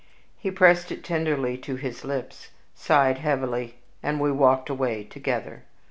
He pressed it tenderly to his lips, sighed heavily, and we walked away together.